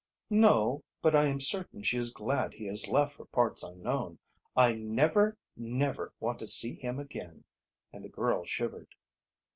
"No. But I am certain she is glad he has left for parts unknown. I never, never, want to see him again," and the girl shivered.